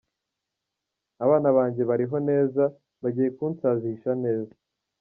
Abana banjye bariho neza, bagiye kunsazisha neza.